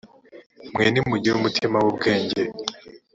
mwe nimugire umutima w ubwenge